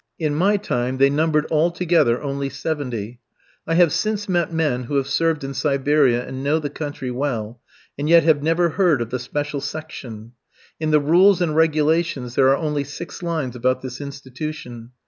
In my time they numbered altogether only seventy. I have since met men who have served in Siberia, and know the country well, and yet have never heard of the "special section." In the rules and regulations there are only six lines about this institution.